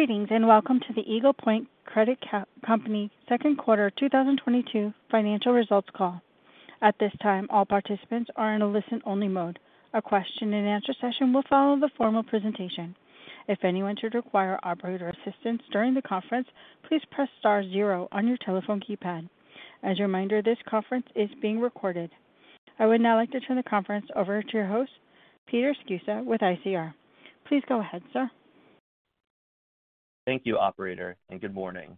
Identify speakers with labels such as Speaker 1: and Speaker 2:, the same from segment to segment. Speaker 1: Greetings, and welcome to the Eagle Point Credit Company second quarter 2022 financial results call. At this time, all participants are in a listen-only mode. A question-and-answer session will follow the formal presentation. If anyone should require operator assistance during the conference, please press star zero on your telephone keypad. As a reminder, this conference is being recorded. I would now like to turn the conference over to your host, Peter Vozzo with ICR. Please go ahead, sir.
Speaker 2: Thank you, operator, and good morning.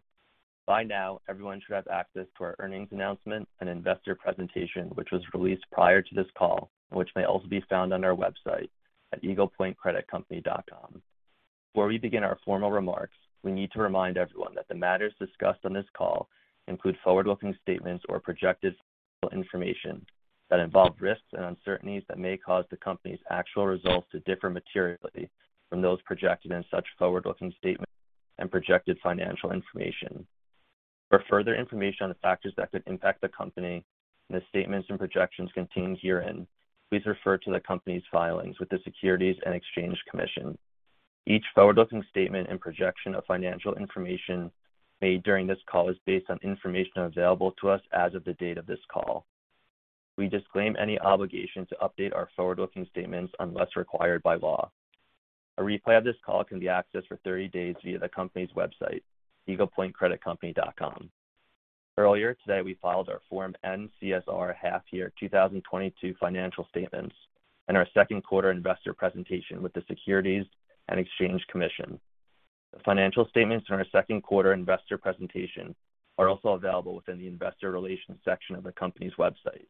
Speaker 2: By now, everyone should have access to our earnings announcement and investor presentation, which was released prior to this call, which may also be found on our website at eaglepointcreditcompany.com. Before we begin our formal remarks, we need to remind everyone that the matters discussed on this call include forward-looking statements or projected information that involve risks and uncertainties that may cause the company's actual results to differ materially from those projected in such forward-looking statements and projected financial information. For further information on the factors that could impact the company and the statements and projections contained herein, please refer to the company's filings with the Securities and Exchange Commission. Each forward-looking statement and projection of financial information made during this call is based on information available to us as of the date of this call. We disclaim any obligation to update our forward-looking statements unless required by law. A replay of this call can be accessed for 30 days via the company's website, eaglepointcreditcompany.com. Earlier today, we filed our Form N-CSR half year 2022 financial statements and our second quarter investor presentation with the Securities and Exchange Commission. The financial statements and our second quarter investor presentation are also available within the investor relations section of the company's website.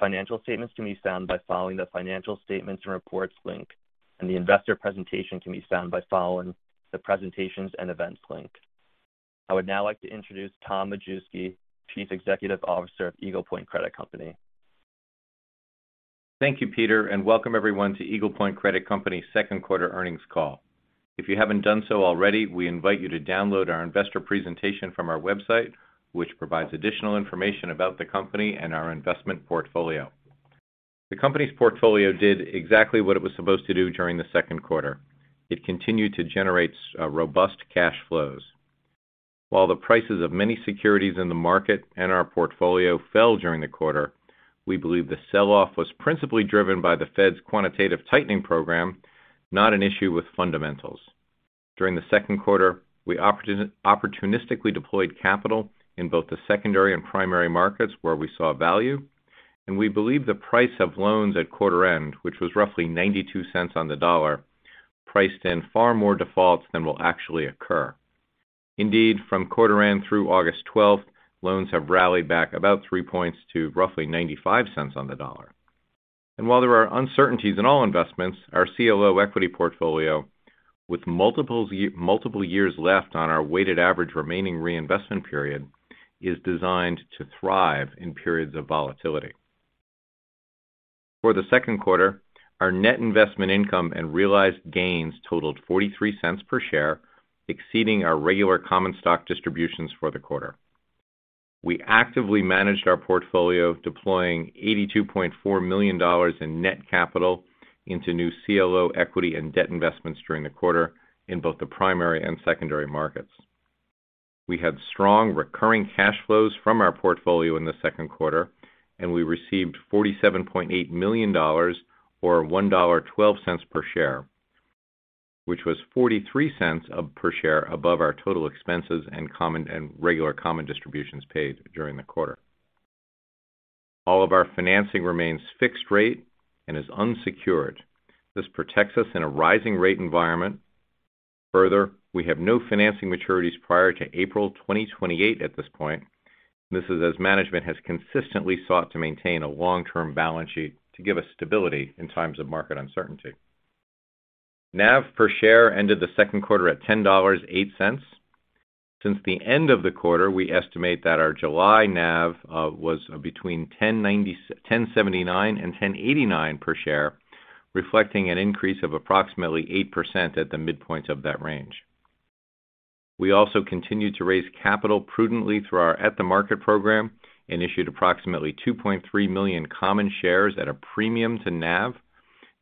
Speaker 2: Financial statements can be found by following the Financial Statements & Reports link, and the investor presentation can be found by following the Presentations and Events link. I would now like to introduce Tom Majewski, Chief Executive Officer of Eagle Point Credit Company.
Speaker 3: Thank you, Peter, and welcome everyone to Eagle Point Credit Company's second quarter earnings call. If you haven't done so already, we invite you to download our investor presentation from our website, which provides additional information about the company and our investment portfolio. The company's portfolio did exactly what it was supposed to do during the second quarter. It continued to generate robust cash flows. While the prices of many securities in the market and our portfolio fell during the quarter, we believe the sell-off was principally driven by the Fed's quantitative tightening program, not an issue with fundamentals. During the second quarter, we opportunistically deployed capital in both the secondary and primary markets where we saw value, and we believe the price of loans at quarter end, which was roughly $0.92 on the dollar, priced in far more defaults than will actually occur. Indeed, from quarter end through August 12th, loans have rallied back about 3 points to roughly $0.95 on the dollar. While there are uncertainties in all investments, our CLO equity portfolio, with multiple years left on our weighted average remaining reinvestment period, is designed to thrive in periods of volatility. For the second quarter, our net investment income and realized gains totaled $0.43 per share, exceeding our regular common stock distributions for the quarter. We actively managed our portfolio, deploying $82.4 million in net capital into new CLO equity and debt investments during the quarter in both the primary and secondary markets. We had strong recurring cash flows from our portfolio in the second quarter, and we received $47.8 million or $1.12 per share, which was $0.43 per share above our total expenses and regular common distributions paid during the quarter. All of our financing remains fixed rate and is unsecured. This protects us in a rising rate environment. Further, we have no financing maturities prior to April 2028 at this point. This is as management has consistently sought to maintain a long-term balance sheet to give us stability in times of market uncertainty. NAV per share ended the second quarter at $10.08. Since the end of the quarter, we estimate that our July NAV was between $10.79 and $10.89 per share, reflecting an increase of approximately 8% at the midpoint of that range. We also continued to raise capital prudently through our at-the-market program and issued approximately 2.3 million common shares at a premium to NAV,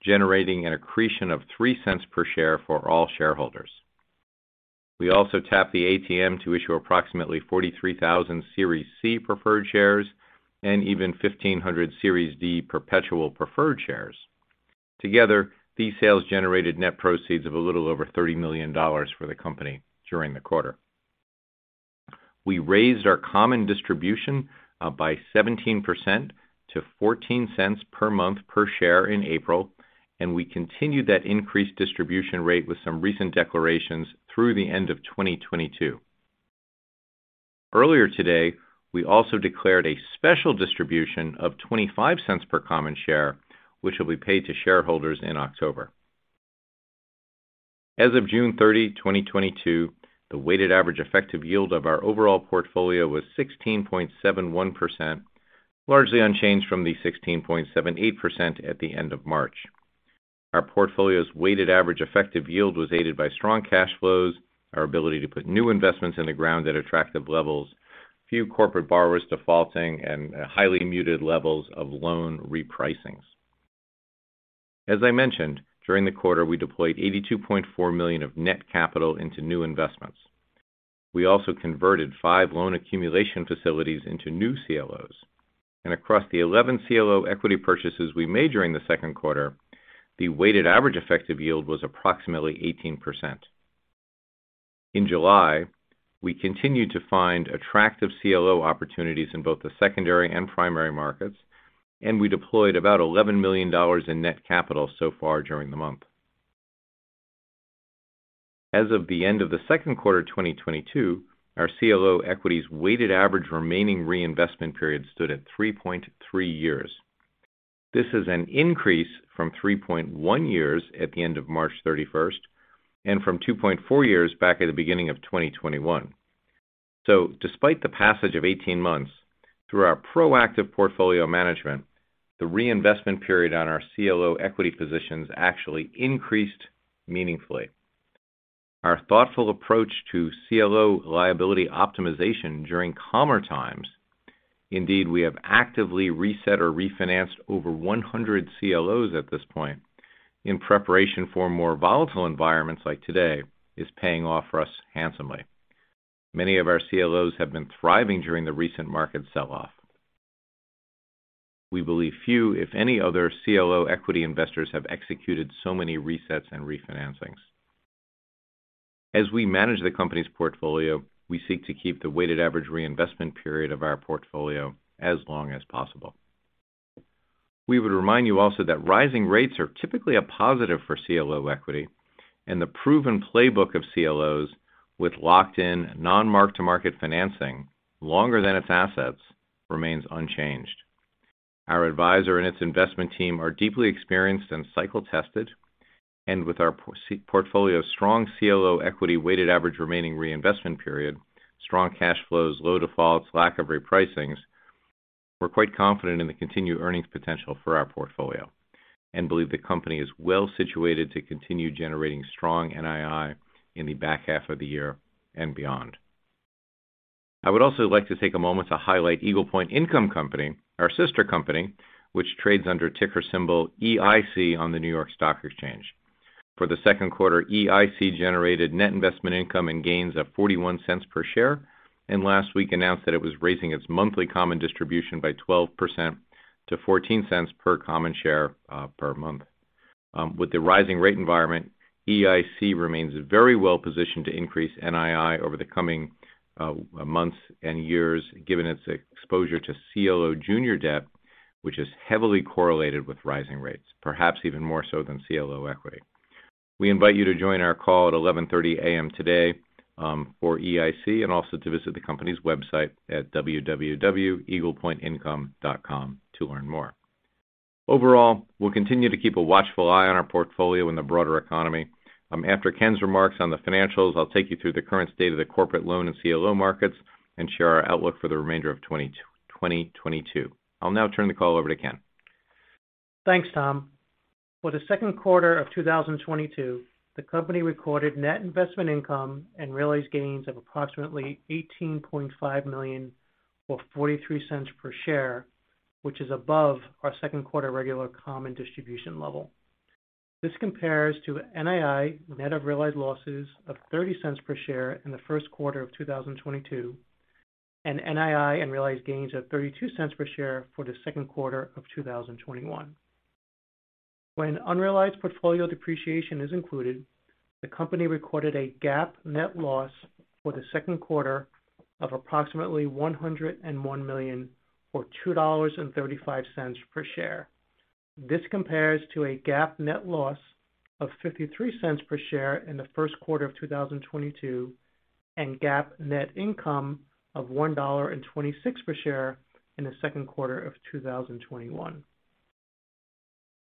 Speaker 3: generating an accretion of $0.03 per share for all shareholders. We also tapped the ATM to issue approximately 43,000 Series C Preferred shares and even 1,500 Series D Perpetual Preferred shares. Together, these sales generated net proceeds of a little over $30 million for the company during the quarter. We raised our common distribution by 17% to $0.14 per month per share in April, and we continued that increased distribution rate with some recent declarations through the end of 2022. Earlier today, we also declared a special distribution of $0.25 per common share, which will be paid to shareholders in October. As of June 30, 2022, the weighted average effective yield of our overall portfolio was 16.71%, largely unchanged from the 16.78% at the end of March. Our portfolio's weighted average effective yield was aided by strong cash flows, our ability to put new investments in the ground at attractive levels, few corporate borrowers defaulting, and highly muted levels of loan repricings. As I mentioned, during the quarter, we deployed $82.4 million of net capital into new investments. We also converted five loan accumulation facilities into new CLOs. Across the 11 CLO equity purchases we made during the second quarter, the weighted average effective yield was approximately 18%. In July, we continued to find attractive CLO opportunities in both the secondary and primary markets, and we deployed about $11 million in net capital so far during the month. As of the end of the second quarter 2022, our CLO equity's weighted average remaining reinvestment period stood at 3.3 years. This is an increase from 3.1 years at the end of March 31st, and from 2.4 years back at the beginning of 2021. Despite the passage of 18 months, through our proactive portfolio management, the reinvestment period on our CLO equity positions actually increased meaningfully. Our thoughtful approach to CLO liability optimization during calmer times. Indeed, we have actively reset or refinanced over 100 CLOs at this point in preparation for more volatile environments like today's is paying off for us handsomely. Many of our CLOs have been thriving during the recent market sell-off. We believe few, if any, other CLO equity investors have executed so many resets and refinancings. As we manage the company's portfolio, we seek to keep the weighted average reinvestment period of our portfolio as long as possible. We would remind you also that rising rates are typically a positive for CLO equity, and the proven playbook of CLOs with locked-in non-mark-to-market financing longer than its assets remains unchanged. Our advisor and its investment team are deeply experienced and cycle tested, and with our portfolio's strong CLO equity weighted average remaining reinvestment period, strong cash flows, low defaults, lack of repricings, we're quite confident in the continued earnings potential for our portfolio and believe the company is well-situated to continue generating strong NII in the back half of the year and beyond. I would also like to take a moment to highlight Eagle Point Income Company, our sister company, which trades under ticker symbol EIC on the New York Stock Exchange. For the second quarter, EIC generated net investment income and gains of $0.41 per share, and last week announced that it was raising its monthly common distribution by 12% to $0.14 per common share, per month. With the rising rate environment, EIC remains very well-positioned to increase NII over the coming months and years, given its exposure to CLO junior debt, which is heavily correlated with rising rates, perhaps even more so than CLO equity. We invite you to join our call at 11:30 A.M. today for EIC and also to visit the company's website at www.eaglepointincome.com to learn more. Overall, we'll continue to keep a watchful eye on our portfolio in the broader economy. After Ken's remarks on the financials, I'll take you through the current state of the corporate loan and CLO markets and share our outlook for the remainder of 2022. I'll now turn the call over to Ken.
Speaker 4: Thanks, Tom. For the second quarter of 2022, the company recorded net investment income and realized gains of approximately $18.5 million or $0.43 per share, which is above our second quarter regular common distribution level. This compares to NII net of realized losses of $0.30 per share in the first quarter of 2022, and NII and realized gains of $0.32 per share for the second quarter of 2021. When unrealized portfolio depreciation is included, the company recorded a GAAP net loss for the second quarter of approximately $101 million or $2.35 per share. This compares to a GAAP net loss of $0.53 per share in the first quarter of 2022, and GAAP net income of $1.26 per share in the second quarter of 2021.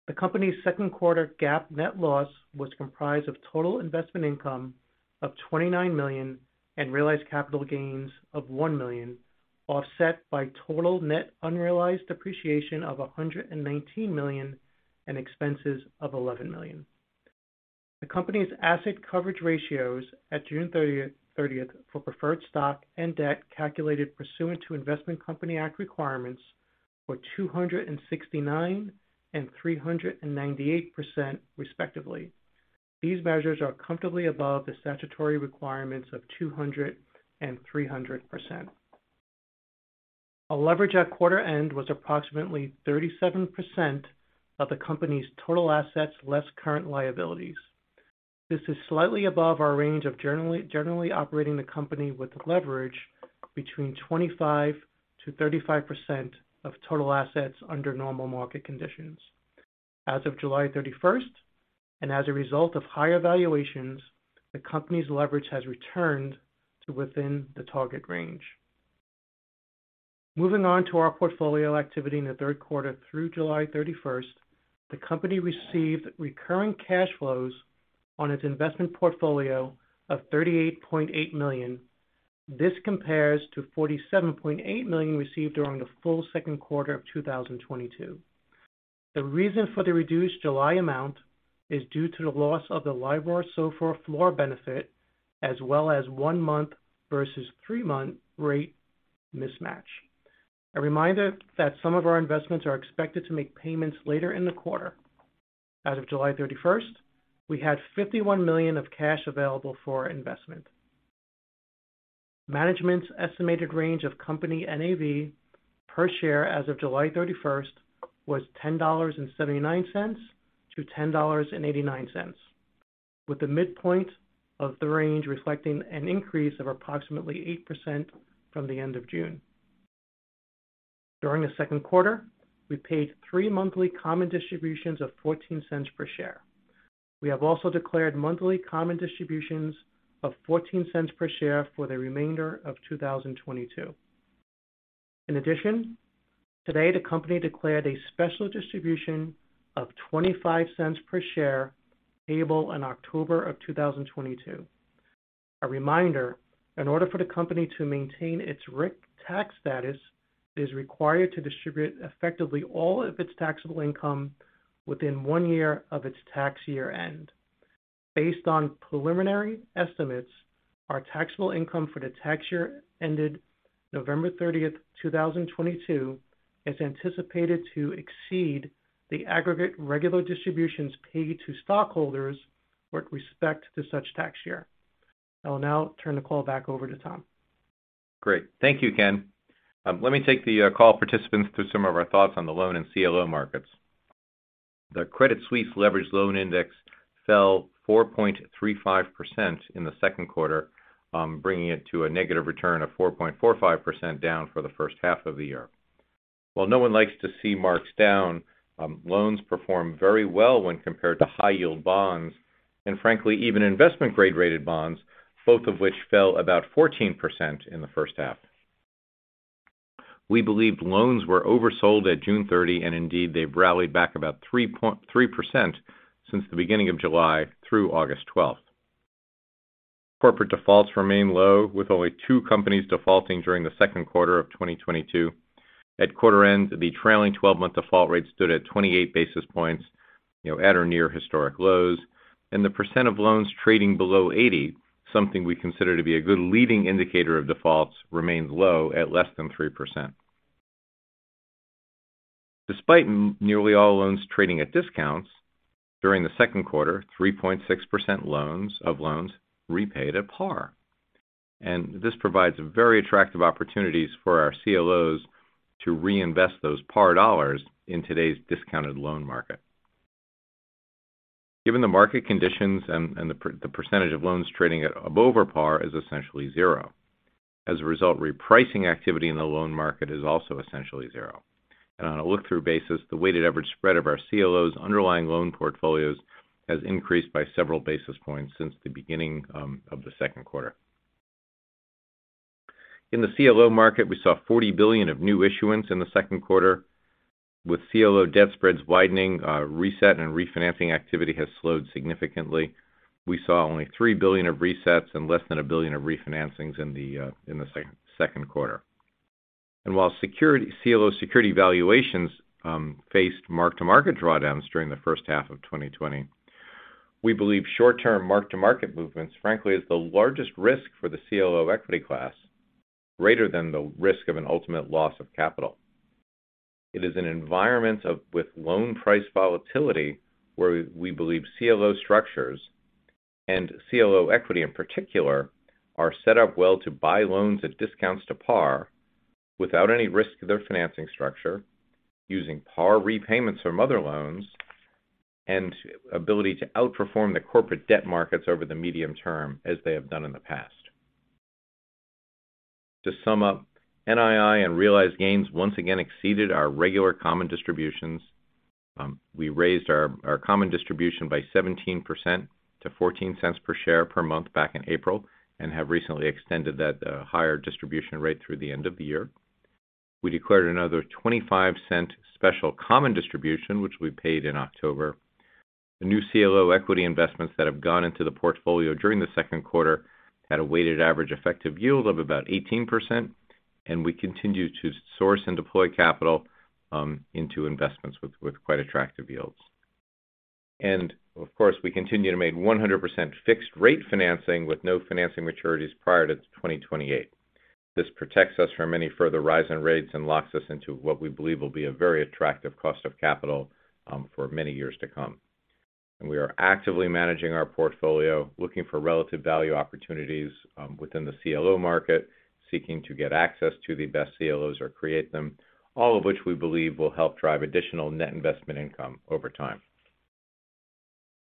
Speaker 4: The company's second quarter GAAP net loss was comprised of total investment income of $29 million and realized capital gains of $1 million, offset by total net unrealized depreciation of $119 million and expenses of $11 million. The company's asset coverage ratios at June thirtieth for preferred stock and debt calculated pursuant to Investment Company Act requirements were 269% and 398% respectively. These measures are comfortably above the statutory requirements of 200% and 300%. Our leverage at quarter end was approximately 37% of the company's total assets less current liabilities. This is slightly above our range of generally operating the company with leverage between 25%-35% of total assets under normal market conditions. As of July 31st, and as a result of higher valuations, the company's leverage has returned to within the target range. Moving on to our portfolio activity in the third quarter through July 31st, the company received recurring cash flows on its investment portfolio of $38.8 million. This compares to $47.8 million received during the full second quarter of 2022. The reason for the reduced July amount is due to the loss of the LIBOR SOFR floor benefit as well as one-month versus three-month rate mismatch. A reminder that some of our investments are expected to make payments later in the quarter. As of July 31st, we had $51 million of cash available for investment. Management's estimated range of company NAV per share as of July 31st was $10.79-$10.89, with the midpoint of the range reflecting an increase of approximately 8% from the end of June. During the second quarter, we paid three monthly common distributions of $0.14 per share. We have also declared monthly common distributions of $0.14 per share for the remainder of 2022. In addition, today the company declared a special distribution of $0.25 per share payable in October 2022. A reminder, in order for the company to maintain its RIC tax status, it is required to distribute effectively all of its taxable income within one year of its tax year-end. Based on preliminary estimates, our taxable income for the tax year ended November 30th, 2022, is anticipated to exceed the aggregate regular distributions paid to stockholders with respect to such tax year. I will now turn the call back over to Tom.
Speaker 3: Great. Thank you, Ken. Let me take the call participants through some of our thoughts on the loan and CLO markets. The Credit Suisse Leveraged Loan Index fell 4.35% in the second quarter, bringing it to a negative return of 4.45% down for the first half of the year. While no one likes to see marks down, loans performed very well when compared to high-yield bonds, and frankly, even investment-grade rated bonds, both of which fell about 14% in the first half. We believe loans were oversold at June 30, and indeed, they've rallied back about 3% since the beginning of July through August 12th. Corporate defaults remain low, with only two companies defaulting during the second quarter of 2022. At quarter end, the trailing twelve-month default rate stood at 28 basis points, you know, at or near historic lows, and the percent of loans trading below 80, something we consider to be a good leading indicator of defaults, remains low at less than 3%. Despite nearly all loans trading at discounts, during the second quarter, 3.6% of loans repaid at par. This provides very attractive opportunities for our CLOs to reinvest those par dollars in today's discounted loan market. Given the market conditions and the percentage of loans trading at over par is essentially zero. As a result, repricing activity in the loan market is also essentially zero. On a look-through basis, the weighted average spread of our CLOs' underlying loan portfolios has increased by several basis points since the beginning of the second quarter. In the CLO market, we saw $40 billion of new issuance in the second quarter. With CLO debt spreads widening, reset and refinancing activity has slowed significantly. We saw only $3 billion of resets and less than $1 billion of refinancings in the second quarter. While CLO security valuations faced mark-to-market drawdowns during the first half of 2020, we believe short-term mark-to-market movements, frankly, is the largest risk for the CLO equity class, greater than the risk of an ultimate loss of capital. It is an environment with loan price volatility where we believe CLO structures, and CLO equity in particular, are set up well to buy loans at discounts to par without any risk to their financing structure, using par repayments from other loans, and ability to outperform the corporate debt markets over the medium term, as they have done in the past. To sum up, NII and realized gains once again exceeded our regular common distributions. We raised our common distribution by 17% to $0.14 per share per month back in April and have recently extended that higher distribution rate through the end of the year. We declared another $0.25 special common distribution, which we paid in October. The new CLO equity investments that have gone into the portfolio during the second quarter had a weighted average effective yield of about 18%, and we continue to source and deploy capital into investments with quite attractive yields. Of course, we continue to make 100% fixed rate financing with no financing maturities prior to 2028. This protects us from any further rise in rates and locks us into what we believe will be a very attractive cost of capital for many years to come. We are actively managing our portfolio, looking for relative value opportunities within the CLO market, seeking to get access to the best CLOs or create them, all of which we believe will help drive additional net investment income over time.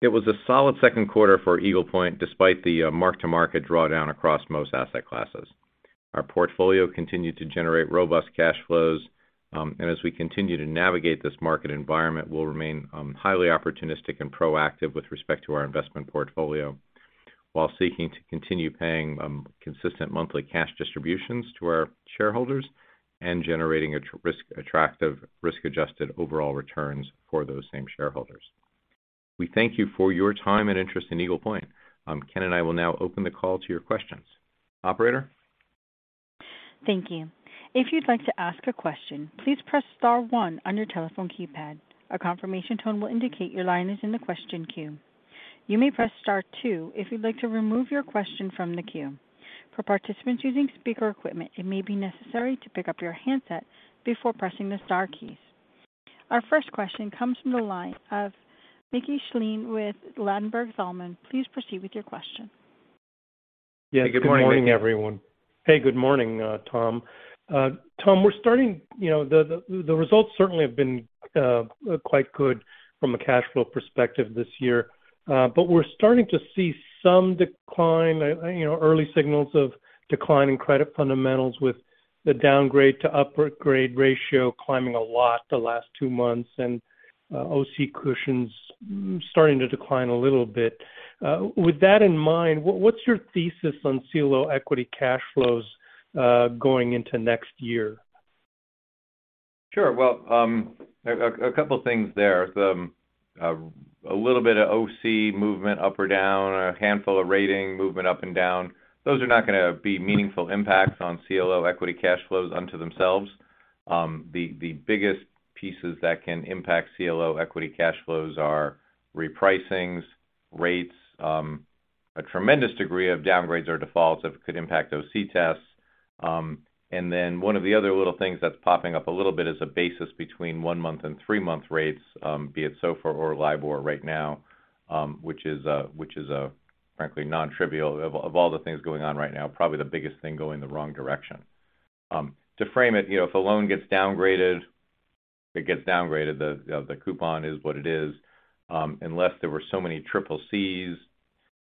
Speaker 3: It was a solid second quarter for Eagle Point, despite the mark-to-market drawdown across most asset classes. Our portfolio continued to generate robust cash flows, and as we continue to navigate this market environment, we'll remain highly opportunistic and proactive with respect to our investment portfolio while seeking to continue paying consistent monthly cash distributions to our shareholders and generating attractive risk-adjusted overall returns for those same shareholders. We thank you for your time and interest in Eagle Point. Ken and I will now open the call to your questions. Operator?
Speaker 1: Thank you. If you'd like to ask a question, please press star one on your telephone keypad. A confirmation tone will indicate your line is in the question queue. You may press star two if you'd like to remove your question from the queue. For participants using speaker equipment, it may be necessary to pick up your handset before pressing the star keys. Our first question comes from the line of Mickey Schleien with Ladenburg Thalmann. Please proceed with your question.
Speaker 5: Yes. Good morning, everyone.
Speaker 3: Good morning, Mickey.
Speaker 5: Hey, good morning, Tom. Tom, you know, the results certainly have been quite good from a cash flow perspective this year. But we're starting to see some decline, you know, early signals of declining credit fundamentals with the downgrade to upgrade ratio climbing a lot the last two months and OC cushions starting to decline a little bit. With that in mind, what's your thesis on CLO equity cash flows going into next year?
Speaker 3: Sure. Well, a couple things there. A little bit of OC movement up or down, a handful of rating movement up and down. Those are not gonna be meaningful impacts on CLO equity cash flows in and of themselves. The biggest pieces that can impact CLO equity cash flows are repricings, rates, a tremendous degree of downgrades or defaults that could impact OC tests. One of the other little things that's popping up a little bit is a basis between one-month and three-month rates, be it SOFR or LIBOR right now, which is frankly non-trivial. Of all the things going on right now, probably the biggest thing going the wrong direction. To frame it, you know, if a loan gets downgraded, it gets downgraded. The coupon is what it is. Unless there were so many triple Cs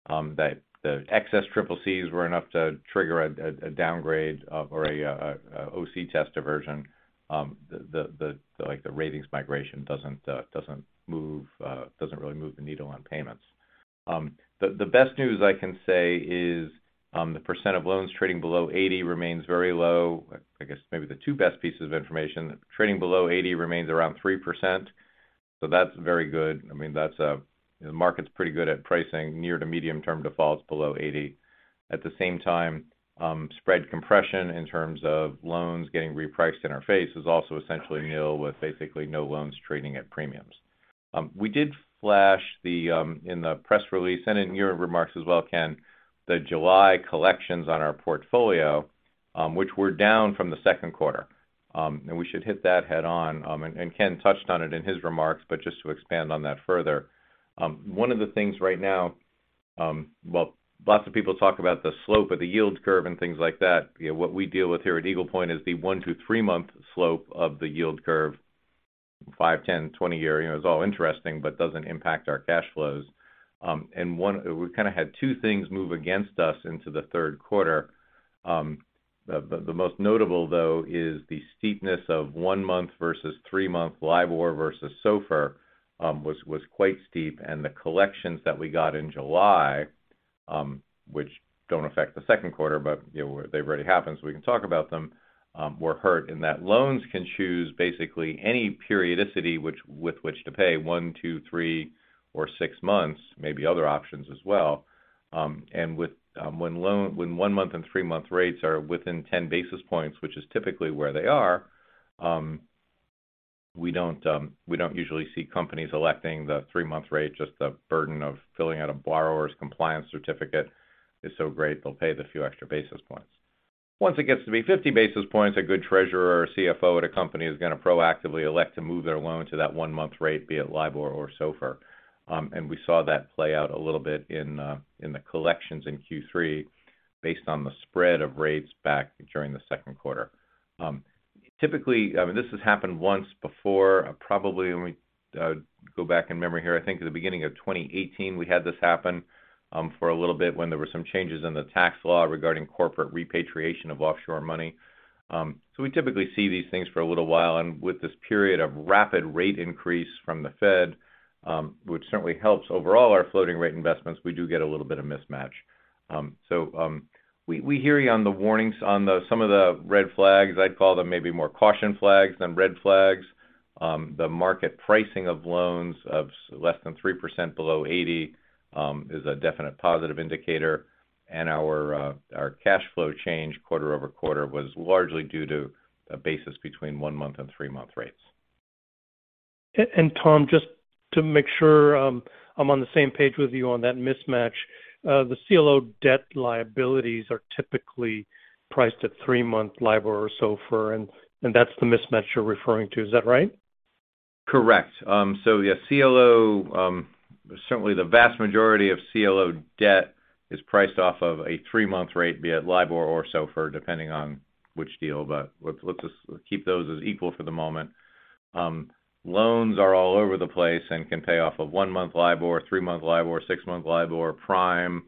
Speaker 3: that the excess triple Cs were enough to trigger a downgrade or an OC test aversion. Like, the ratings migration doesn't really move the needle on payments. The best news I can say is the percent of loans trading below 80 remains very low. I guess maybe the two best pieces of information. Trading below 80 remains around 3%. That's very good. I mean, the market's pretty good at pricing near to medium-term defaults below 80. At the same time, spread compression in terms of loans getting repriced in our favor is also essentially nil, with basically no loans trading at premiums. We did flash, in the press release and in your remarks as well, Ken, the July collections on our portfolio, which were down from the second quarter. We should hit that head on. Ken touched on it in his remarks, but just to expand on that further. One of the things right now. Well, lots of people talk about the slope of the yield curve and things like that. You know, what we deal with here at Eagle Point is the 1-3 month slope of the yield curve. 5, 10, 20 year, you know, is all interesting, but doesn't impact our cash flows. We kind of had two things move against us into the third quarter. The most notable, though, is the steepness of one-month versus three-month LIBOR versus SOFR was quite steep. The collections that we got in July, which don't affect the second quarter, you know, they've already happened, so we can talk about them, were hurt in that loans can choose basically any periodicity with which to pay one, two, three or six months, maybe other options as well. When one-month and three-month rates are within ten basis points, which is typically where they are, we don't usually see companies electing the three-month rate. Just the burden of filling out a borrower's compliance certificate is so great they'll pay the few extra basis points. Once it gets to be 50 basis points, a good Treasurer or CFO at a company is gonna proactively elect to move their loan to that one-month rate, be it LIBOR or SOFR. We saw that play out a little bit in the collections in Q3 based on the spread of rates back during the second quarter. Typically, I mean, this has happened once before, probably when we go back in memory here. I think at the beginning of 2018 we had this happen for a little bit when there were some changes in the tax law regarding corporate repatriation of offshore money. We typically see these things for a little while. With this period of rapid rate increase from the Fed, which certainly helps overall our floating rate investments, we do get a little bit of mismatch. We hear you on the warnings on some of the red flags. I'd call them maybe more caution flags than red flags. The market pricing of loans of less than 3% below 80 is a definite positive indicator. Our cash flow change quarter-over-quarter was largely due to a basis between one-month and three-month rates.
Speaker 5: Tom, just to make sure, I'm on the same page with you on that mismatch. The CLO debt liabilities are typically priced at three-month LIBOR or SOFR, and that's the mismatch you're referring to. Is that right?
Speaker 3: Correct. CLO. Certainly the vast majority of CLO debt is priced off of a three-month rate, be it LIBOR or SOFR, depending on which deal. Let's just keep those as equal for the moment. Loans are all over the place and can pay off of one-month LIBOR, three-month LIBOR, six-month LIBOR, Prime,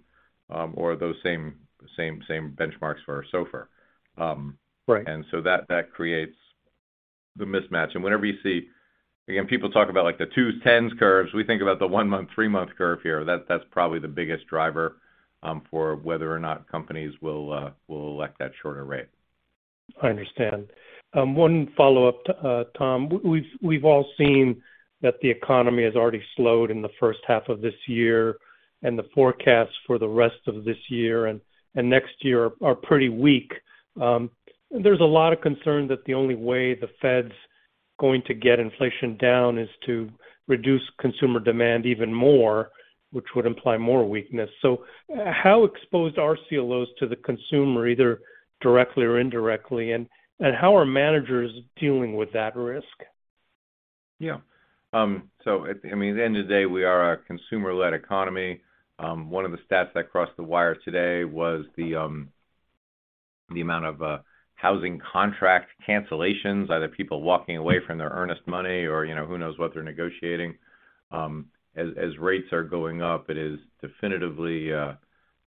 Speaker 3: or those same benchmarks for SOFR.
Speaker 5: Right.
Speaker 3: That creates the mismatch. Whenever you see again, people talk about, like, the twos, tens curves. We think about the one-month, three-month curve here. That's probably the biggest driver for whether or not companies will elect that shorter rate.
Speaker 5: I understand. One follow-up to Tom. We've all seen that the economy has already slowed in the first half of this year, and the forecasts for the rest of this year and next year are pretty weak. There's a lot of concern that the only way the Fed's going to get inflation down is to reduce consumer demand even more, which would imply more weakness. How exposed are CLOs to the consumer, either directly or indirectly? And how are managers dealing with that risk?
Speaker 3: Yeah. I mean, at the end of the day, we are a consumer-led economy. One of the stats that crossed the wire today was the amount of housing contract cancellations, either people walking away from their earnest money or, you know, who knows what they're negotiating. As rates are going up, it is definitively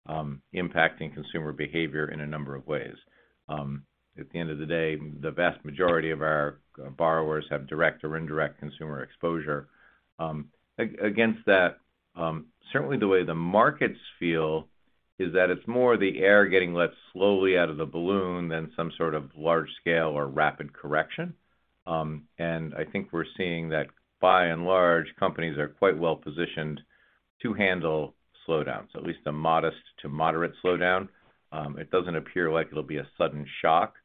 Speaker 3: impacting consumer behavior in a number of ways. At the end of the day, the vast majority of our borrowers have direct or indirect consumer exposure. Against that, certainly the way the markets feel is that it's more the air getting let slowly out of the balloon than some sort of large scale or rapid correction. I think we're seeing that by and large, companies are quite well-positioned to handle slowdowns, at least a modest to moderate slowdown. It doesn't appear like it'll be a sudden shock.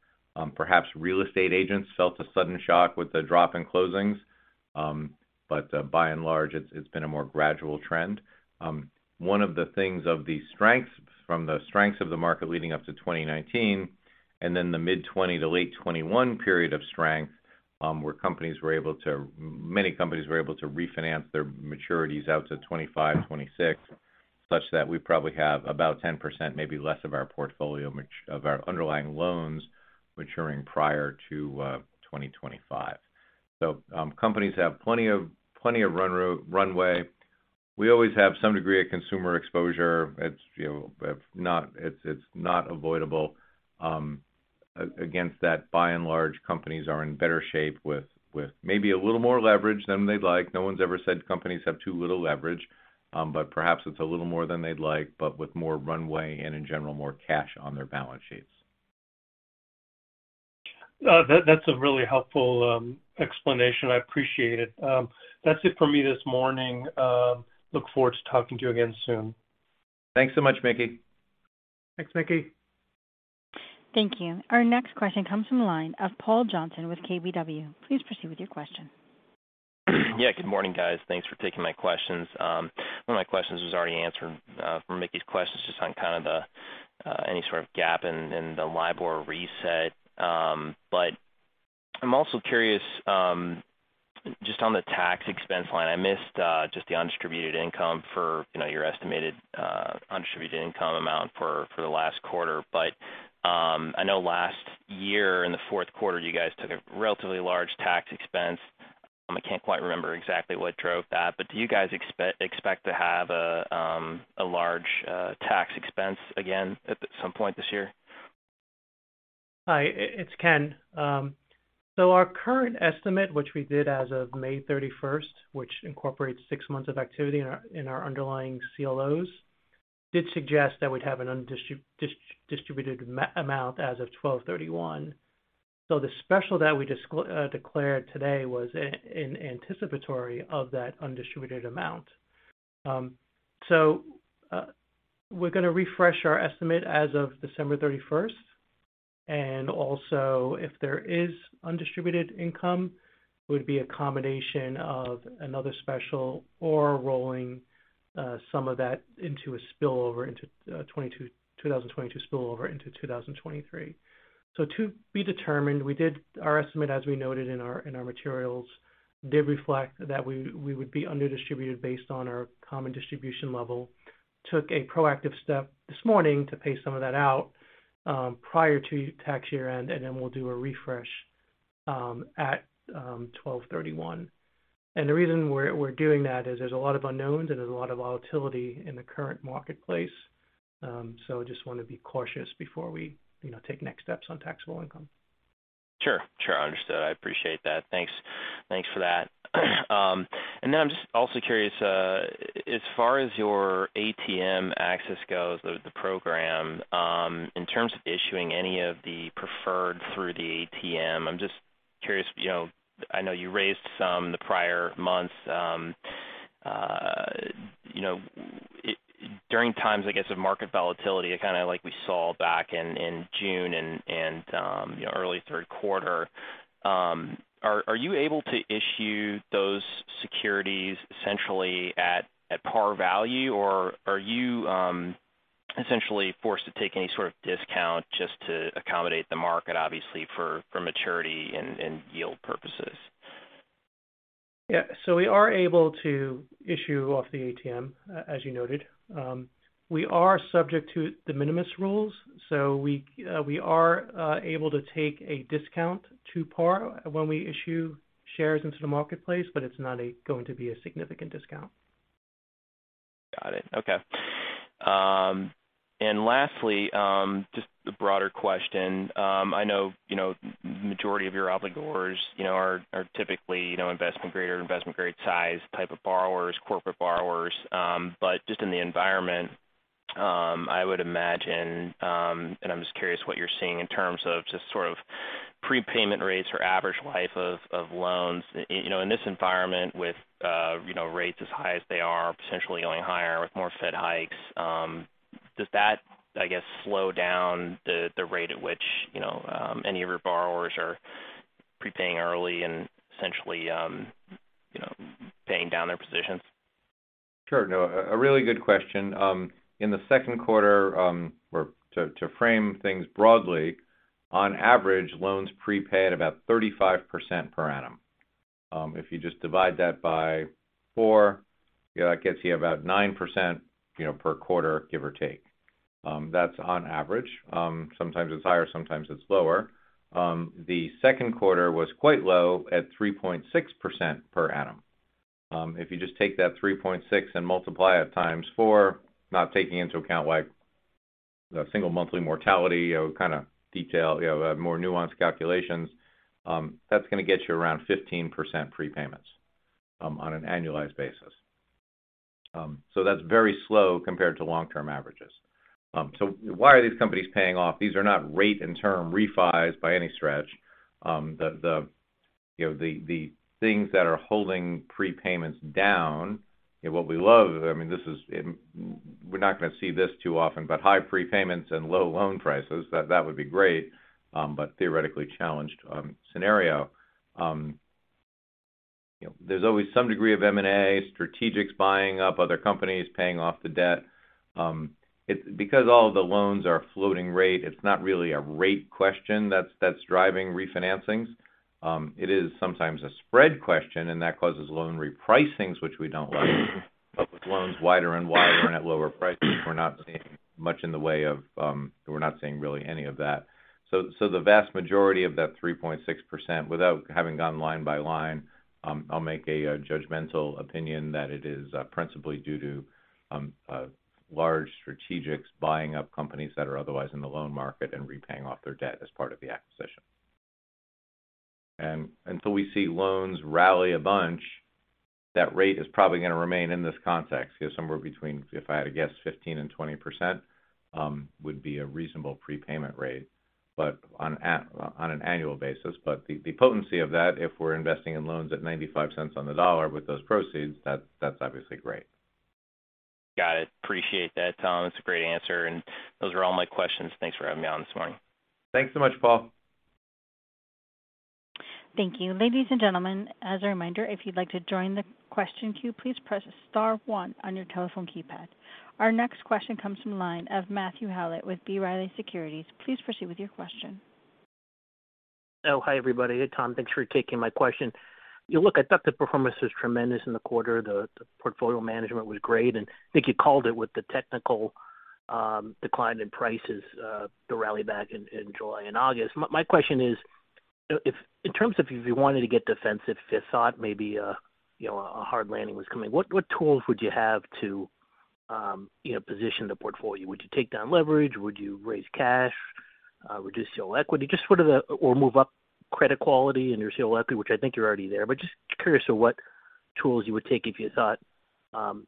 Speaker 3: Perhaps real estate agents felt a sudden shock with the drop in closings, but by and large it's been a more gradual trend. One of the strengths of the market leading up to 2019 and then the mid-2020 to late-2021 period of strength, where many companies were able to refinance their maturities out to 2025, 2026 such that we probably have about 10%, maybe less, of our underlying loans maturing prior to 2025. Companies have plenty of runway. We always have some degree of consumer exposure. It's, you know, not avoidable. Against that, by and large, companies are in better shape with maybe a little more leverage than they'd like. No one's ever said companies have too little leverage, but perhaps it's a little more than they'd like, but with more runway and in general, more cash on their balance sheets.
Speaker 5: That's a really helpful explanation. I appreciate it. That's it for me this morning. Look forward to talking to you again soon.
Speaker 3: Thanks so much, Mickey.
Speaker 4: Thanks, Mickey.
Speaker 1: Thank you. Our next question comes from the line of Paul Johnson with KBW. Please proceed with your question.
Speaker 6: Yeah. Good morning, guys. Thanks for taking my questions. One of my questions was already answered from Mickey's questions just on kind of the any sort of gap in the LIBOR reset. I'm also curious just on the tax expense line. I missed just the undistributed income for, you know, your estimated undistributed income amount for the last quarter. I know last year in the fourth quarter, you guys took a relatively large tax expense. I can't quite remember exactly what drove that. Do you guys expect to have a large tax expense again at some point this year?
Speaker 4: It's Ken. Our current estimate, which we did as of May 31st, which incorporates six months of activity in our underlying CLOs, did suggest that we'd have an undistributed amount as of December 31. The special that we declared today was in anticipatory of that undistributed amount. We're gonna refresh our estimate as of December 31st. Also if there is undistributed income, it would be a combination of another special or rolling some of that into a spillover into 2022 spillover into 2023. To be determined, we did our estimate, as we noted in our materials, did reflect that we would be under distributed based on our common distribution level. Took a proactive step this morning to pay some of that out, prior to tax year-end, and then we'll do a refresh at December 31. The reason we're doing that is there's a lot of unknowns, and there's a lot of volatility in the current marketplace. So just wanna be cautious before we, you know, take next steps on taxable income.
Speaker 6: Sure. Understood. I appreciate that. Thanks for that. I'm just also curious, as far as your ATM access goes, the program, in terms of issuing any of the preferred through the ATM, I'm just curious, you know, I know you raised some the prior months, you know, during times, I guess, of market volatility kind of like we saw back in June and, you know, early third quarter, are you able to issue those securities essentially at par value? Or are you essentially forced to take any sort of discount just to accommodate the market, obviously for maturity and yield purposes?
Speaker 4: We are able to issue off the ATM, as you noted. We are subject to de minimis rules, so we are able to take a discount to par when we issue shares into the marketplace, but it's not going to be a significant discount.
Speaker 6: Got it. Okay. Lastly, just a broader question. I know majority of your obligors, you know, are typically, you know, investment grade or investment grade size type of borrowers, corporate borrowers. Just in the environment, I would imagine, and I'm just curious what you're seeing in terms of just sort of prepayment rates or average life of loans. You know, in this environment with, you know, rates as high as they are potentially going higher with more Fed hikes, does that, I guess, slow down the rate at which, you know, any of your borrowers are prepaying early and essentially, you know, paying down their positions?
Speaker 3: Sure. No, really good question. In the second quarter, or to frame things broadly, on average, loans prepay at about 35% per annum. If you just divide that by four, you know, that gets you about 9%, you know, per quarter, give or take. That's on average. Sometimes it's higher, sometimes it's lower. The second quarter was quite low at 3.6% per annum. If you just take that 3.6 and multiply it times four, not taking into account the single monthly mortality, you know, kind of detail, you have more nuanced calculations, that's gonna get you around 15% prepayments on an annualized basis. That's very slow compared to long-term averages. Why are these companies paying off? These are not rate and term refis by any stretch. You know, the things that are holding prepayments down and what we love. I mean, we're not gonna see this too often, but high prepayments and low loan prices, that would be great, but theoretically challenged scenario. You know, there's always some degree of M&A, strategics buying up other companies, paying off the debt. Because all of the loans are floating rate, it's not really a rate question that's driving refinancings. It is sometimes a spread question, and that causes loan repricings, which we don't like. With loans wider and wider and at lower prices, we're not seeing much in the way of, we're not seeing really any of that. The vast majority of that 3.6%, without having gone line by line, I'll make a judgmental opinion that it is principally due to large strategics buying up companies that are otherwise in the loan market and paying off their debt as part of the acquisition. Until we see loans rally a bunch, that rate is probably gonna remain in this context, you know, somewhere between, if I had to guess, 15%-20% would be a reasonable prepayment rate, but on an annual basis. The potency of that, if we're investing in loans at $0.95 on the dollar with those proceeds, that's obviously great.
Speaker 6: Got it. Appreciate that, Tom. That's a great answer. Those are all my questions. Thanks for having me on this morning.
Speaker 3: Thanks so much, Paul.
Speaker 1: Thank you. Ladies and gentlemen, as a reminder, if you'd like to join the question queue, please press star one on your telephone keypad. Our next question comes from the line of Matthew Howlett with B. Riley Securities. Please proceed with your question.
Speaker 7: Oh, hi everybody. Hey Tom, thanks for taking my question. You look, I thought the performance was tremendous in the quarter. The portfolio management was great, and I think you called it with the technical decline in prices, the rally back in July and August. My question is, you know, in terms of if you wanted to get defensive, if you thought maybe, you know, a hard landing was coming. What tools would you have to, you know, position the portfolio? Would you take down leverage? Would you raise cash, reduce CLO equity? Just sort of or move up credit quality in your CLO equity, which I think you're already there. But just curious of what tools you would take if you thought,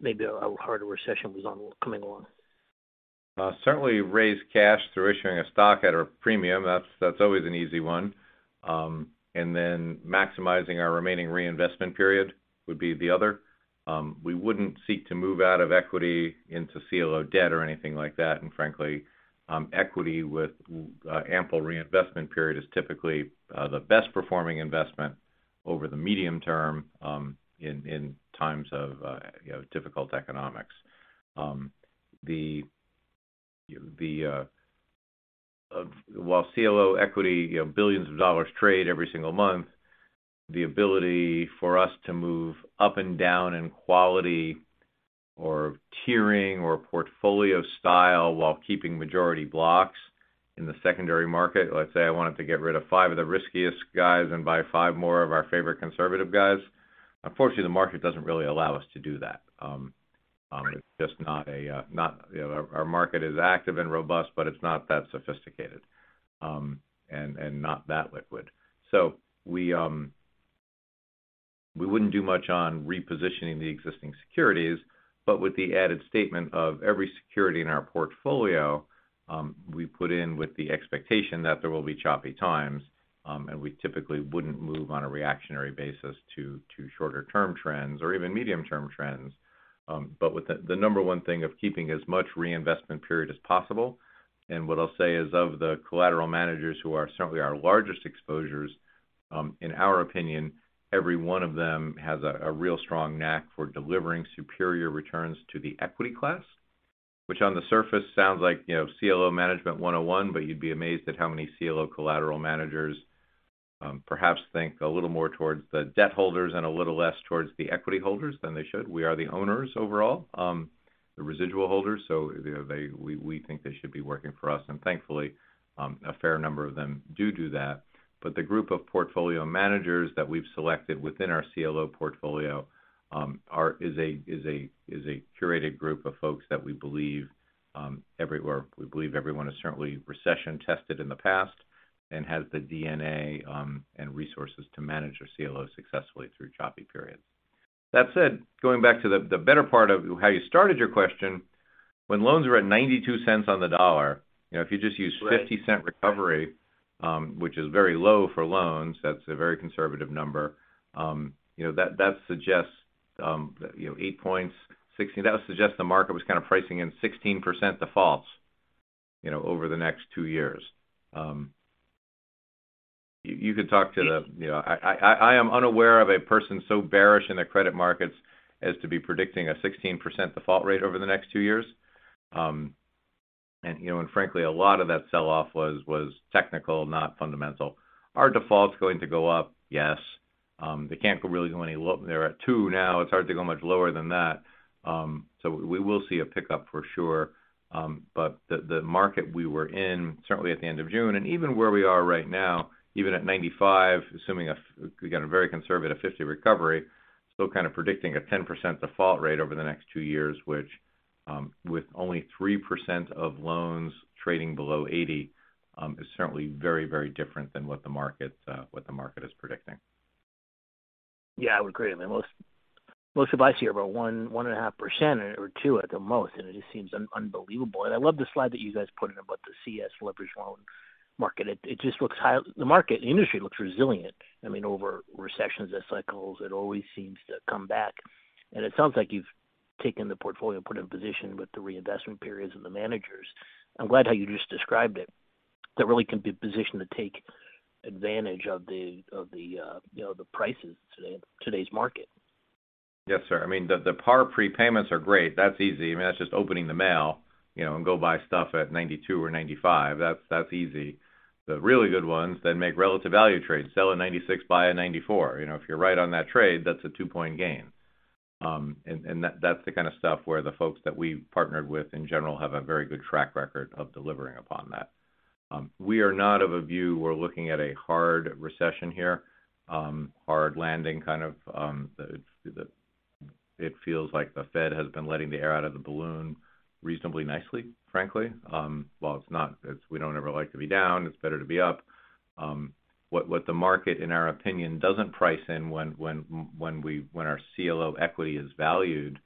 Speaker 7: maybe a harder recession was coming along.
Speaker 3: Certainly raise cash through issuing a stock at a premium. That's always an easy one. Maximizing our remaining reinvestment period would be the other. We wouldn't seek to move out of equity into CLO debt or anything like that. Frankly, equity with ample reinvestment period is typically the best performing investment over the medium term, in times of you know, difficult economics. While CLO equity, you know, billions of dollars trade every single month, the ability for us to move up and down in quality or tiering or portfolio style while keeping majority blocks in the secondary market. Let's say I wanted to get rid of five of the riskiest guys and buy five more of our favorite conservative guys. Unfortunately, the market doesn't really allow us to do that. You know, our market is active and robust, but it's not that sophisticated, and not that liquid. We wouldn't do much on repositioning the existing securities. With the added statement of every security in our portfolio, we put in with the expectation that there will be choppy times, and we typically wouldn't move on a reactionary basis to shorter term trends or even medium term trends. With the number one thing of keeping as much reinvestment period as possible. What I'll say is, of the collateral managers who are certainly our largest exposures, in our opinion, every one of them has a real strong knack for delivering superior returns to the equity class, which on the surface sounds like, you know, CLO management 101, but you'd be amazed at how many CLO collateral managers, perhaps think a little more towards the debt holders and a little less towards the equity holders than they should. We are the owners overall, the residual holders. You know, we think they should be working for us. Thankfully, a fair number of them do that. The group of portfolio managers that we've selected within our CLO portfolio, is a curated group of folks that we believe, everywhere. We believe everyone is certainly recession-tested in the past and has the DNA, and resources to manage their CLO successfully through choppy periods. That said, going back to the better part of how you started your question, when loans were at $0.92 on the dollar, you know, if you just use $0.50 Recovery, which is very low for loans. That's a very conservative number. You know, that suggests, you know, 8 points, 16. That suggests the market was kind of pricing in 16% defaults, you know, over the next two years. You could talk to the, you know. I am unaware of a person so bearish in the credit markets as to be predicting a 16% default rate over the next two years. You know, frankly, a lot of that sell-off was technical, not fundamental. Are defaults going to go up? Yes. They can't really go any lower. They're at two now. It's hard to go much lower than that. We will see a pickup for sure. The market we were in, certainly at the end of June and even where we are right now, even at 95, assuming again a very conservative 50 recovery, still kind of predicting a 10% default rate over the next two years, which, with only 3% of loans trading below 80, is certainly very different than what the market is predicting.
Speaker 7: Yeah, I would agree. I mean, most of us hear about 1.5% or 2% at the most, and it just seems unbelievable. I love the slide that you guys put in about the Credit Suisse leveraged loan market. It just looks high. The market industry looks resilient. I mean, over recessions and cycles, it always seems to come back. It sounds like you've taken the portfolio, put in position with the reinvestment periods and the managers. I'm glad how you just described it. That really can be positioned to take advantage of the you know, the prices in today's market.
Speaker 3: Yes, sir. I mean the par prepayments are great. That's easy. I mean, that's just opening the mail, you know, and go buy stuff at $92 or $95. That's easy. The really good ones then make relative value trades. Sell at $96, buy at $94. You know, if you're right on that trade, that's a two-point gain. And that's the kind of stuff where the folks that we've partnered with in general have a very good track record of delivering upon that. We are not of a view we're looking at a hard recession here, hard landing kind of. It feels like the Fed has been letting the air out of the balloon reasonably nicely, frankly. While it's not, we don't ever like to be down, it's better to be up. What the market, in our opinion, doesn't price in when our CLO equity is valued,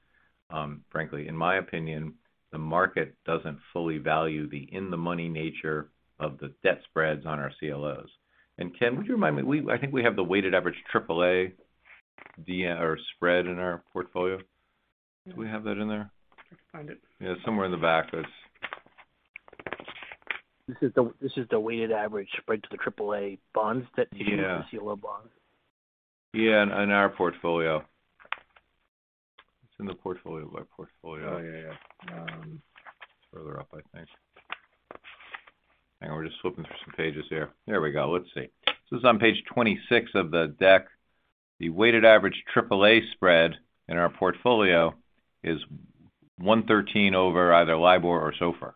Speaker 3: frankly, in my opinion, the market doesn't fully value the in-the-money nature of the debt spreads on our CLOs. Ken, would you remind me, I think we have the weighted average AAA spread in our portfolio. Do we have that in there?
Speaker 7: I can find it.
Speaker 3: Yeah, somewhere in the back. There's.
Speaker 7: This is the weighted average spread to the AAA bonds that
Speaker 3: Yeah.
Speaker 7: you show as CLO bonds.
Speaker 3: Yeah, in our portfolio. It's in the portfolio by portfolio.
Speaker 7: Oh, yeah.
Speaker 3: It's further up, I think. Hang on. We're just flipping through some pages here. There we go. Let's see. This is on page 26 of the deck. The weighted average AAA spread in our portfolio is 113 over either LIBOR or SOFR.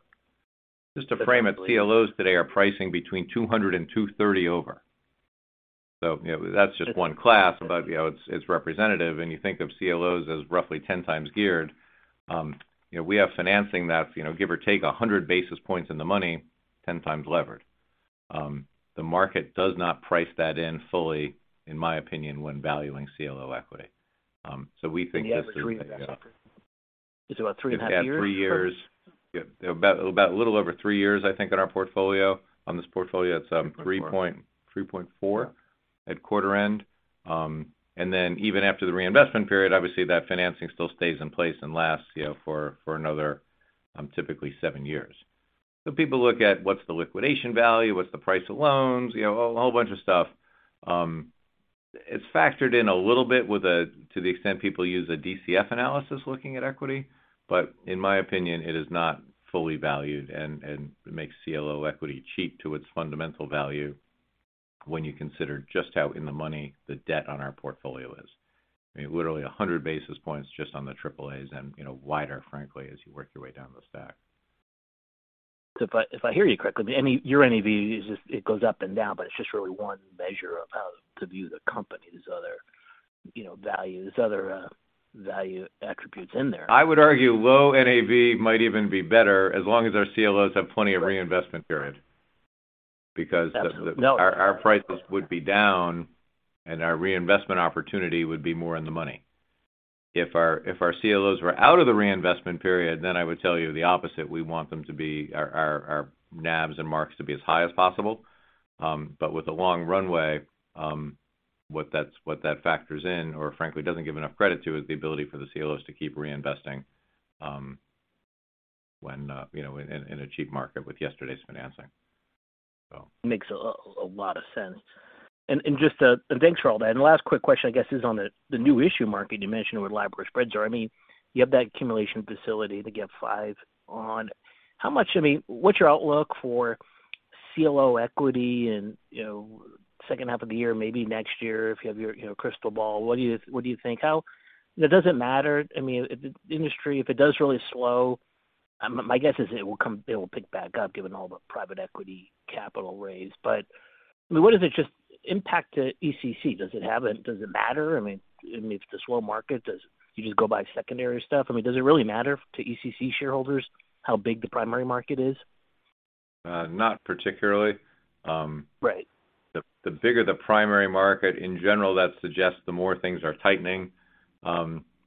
Speaker 3: Just to frame it, CLOs today are pricing between 200 and 230 over. You know, that's just one class, but, you know, it's representative. When you think of CLOs as roughly 10x geared, you know, we have financing that's, you know, give or take 100 basis points in the money, 10x levered. The market does not price that in fully, in my opinion, when valuing CLO equity. We think this is.
Speaker 7: The average remaining is about three and a half years?
Speaker 3: Three years. Yeah, about a little over three years, I think, in our portfolio. On this portfolio, it's 3 point-
Speaker 7: 3.4.
Speaker 3: 3.4 at quarter end. Even after the reinvestment period, obviously that financing still stays in place and lasts, you know, for another typically seven years. People look at what's the liquidation value, what's the price of loans, you know, a whole bunch of stuff. It's factored in a little bit to the extent people use a DCF analysis looking at equity. In my opinion, it is not fully valued and makes CLO equity cheap to its fundamental value when you consider just how in the money the debt on our portfolio is. I mean, literally 100 basis points just on the AAA and, you know, wider, frankly, as you work your way down the stack.
Speaker 7: If I hear you correctly, I mean, your NAV is just, it goes up and down, but it's just really one measure of how to view the company's other, you know, values, other value attributes in there.
Speaker 3: I would argue low NAV might even be better as long as our CLOs have plenty of reinvestment period.
Speaker 7: Absolutely. No
Speaker 3: our prices would be down, and our reinvestment opportunity would be more in the money. If our CLOs were out of the reinvestment period, then I would tell you the opposite. We want them to be our NAVs and marks to be as high as possible. But with the long runway, what that factors in, or frankly, doesn't give enough credit to, is the ability for the CLOs to keep reinvesting, you know, in a cheap market with yesterday's financing. So.
Speaker 7: Makes a lot of sense. Just thanks for all that. The last quick question, I guess, is on the new issue market. You mentioned where LIBOR spreads are. I mean, you have that accumulation facility to get five on. How much, I mean, what's your outlook for CLO equity in, you know, second half of the year, maybe next year, if you have your, you know, crystal ball. What do you think? Does it matter? I mean, industry, if it does really slow, my guess is it will pick back up given all the private equity capital raise. I mean, what does it just impact to ECC? Does it matter? I mean, if the slow market, do you just go buy secondary stuff? I mean, does it really matter to ECC shareholders how big the primary market is?
Speaker 3: Not particularly.
Speaker 7: Right
Speaker 3: The bigger the primary market in general, that suggests the more things are tightening.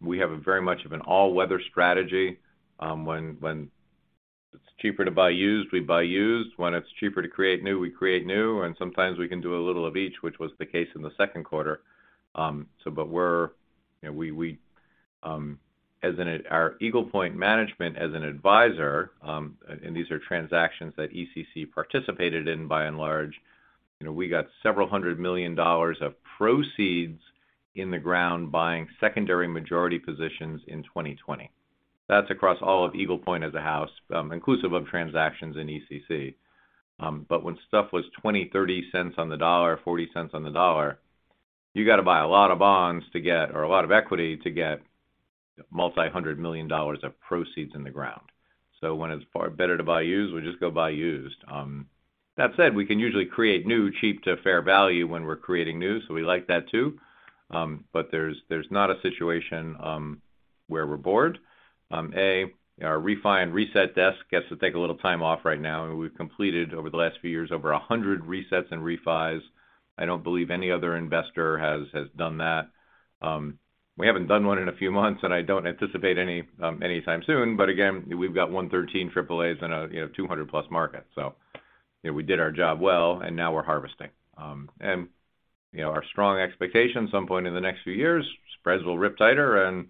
Speaker 3: We have a very much of an all-weather strategy. When it's cheaper to buy used, we buy used. When it's cheaper to create new, we create new, and sometimes we can do a little of each, which was the case in the second quarter. But we're, you know, we, as our Eagle Point management as an Adviser, and these are transactions that ECC participated in by and large, you know, we got several hundred million dollars of proceeds in the ground buying secondary majority positions in 2020. That's across all of Eagle Point as a house, inclusive of transactions in ECC. When stuff was 20, 30 cents on the dollar, $0.40 On the dollar, you gotta buy a lot of bonds to get, or a lot of equity to get multi-hundred million dollar of proceeds in the ground. When it's far better to buy used, we just go buy used. That said, we can usually create new cheap to fair value when we're creating new, so we like that too. There's not a situation where we're bored. Our refi and reset desk gets to take a little time off right now, and we've completed over the last few years over 100 resets and refis. I don't believe any other investor has done that. We haven't done one in a few months, and I don't anticipate any anytime soon. Again, we've got 113 AAA's in a, you know, 200+ market. You know, we did our job well, and now we're harvesting. You know, our strong expectation at some point in the next few years, spreads will rip tighter, and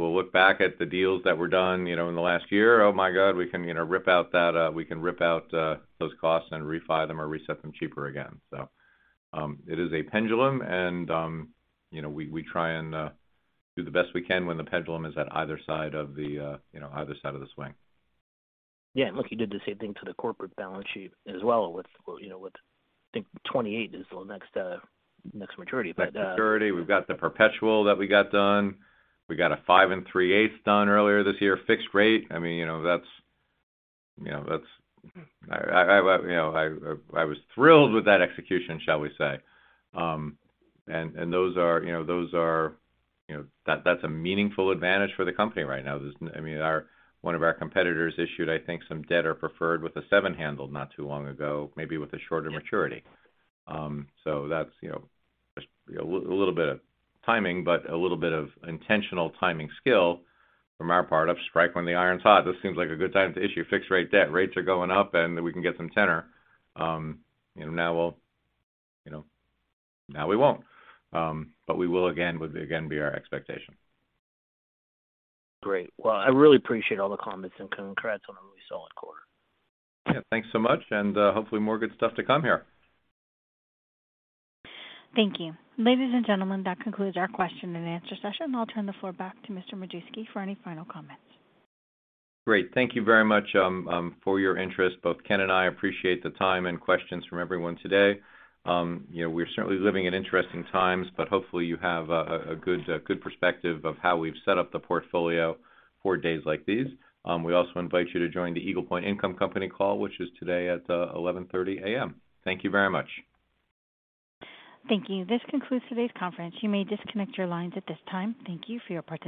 Speaker 3: we'll look back at the deals that were done, you know, in the last year. Oh my god we can, you know, rip out those costs and refi them or reset them cheaper again. It is a pendulum and, you know, we try and do the best we can when the pendulum is at either side of the swing.
Speaker 7: Yeah, look, you did the same thing to the corporate balance sheet as well with, you know, I think 28 is the next maturity, but
Speaker 3: Next maturity. We've got the perpetual that we got done. We got a 5.375 Done earlier this year, fixed rate. I mean, you know, that's, you know, that's.
Speaker 7: Mm.
Speaker 3: You know, I was thrilled with that execution, shall we say. Those are a meaningful advantage for the company right now. I mean, one of our competitors issued, I think, some debt or preferred with a seven handle not too long ago, maybe with a shorter maturity. So that's, you know, just a little bit of timing, but a little bit of intentional timing skill from our part to strike when the iron's hot. This seems like a good time to issue fixed rate debt. Rates are going up, and we can get some tenor. Now we'll, you know, we won't. We will again. Would again be our expectation.
Speaker 7: Great. Well, I really appreciate all the comments, and congrats on a really solid quarter.
Speaker 3: Yeah, thanks so much, and hopefully, more good stuff to come here.
Speaker 1: Thank you. Ladies and gentlemen, that concludes our question-and-answer session. I'll turn the floor back to Mr. Majewski for any final comments.
Speaker 3: Great. Thank you very much for your interest. Both Ken and I appreciate the time and questions from everyone today. You know, we're certainly living in interesting times, but hopefully, you have a good perspective of how we've set up the portfolio for days like these. We also invite you to join the Eagle Point Income Company call, which is today at 11:30 A.M. Thank you very much.
Speaker 1: Thank you. This concludes today's conference. You may disconnect your lines at this time. Thank you for your participation.